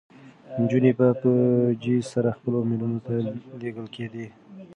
نجونې به په جېز سره خپلو مېړونو ته لېږل کېدې.